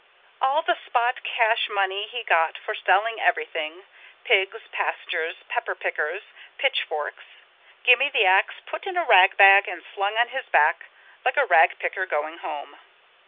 All the spot cash money he got for selling everything, pigs, pastures, pepper pickers, pitchforks, Gimme the Ax put in a ragbag and slung on his back like a rag picker going home.